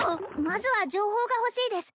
まずは情報が欲しいです